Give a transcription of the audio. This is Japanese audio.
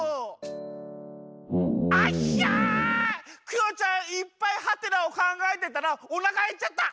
クヨちゃんいっぱいはてなをかんがえてたらおなかへっちゃった！